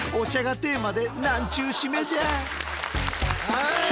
はい。